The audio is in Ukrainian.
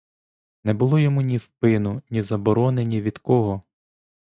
Не було йому ні впину, ні заборони ні від кого.